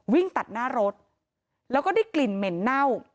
วิ่งตัดหน้ารถแล้วก็ได้กลิ่นเหม็นเน่า